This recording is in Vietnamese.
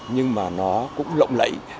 nhưng mà nó cũng lộng lẫy